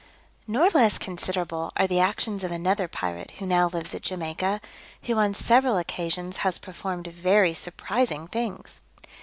Nor less considerable are the actions of another pirate who now lives at Jamaica, who on several occasions has performed very surprising things.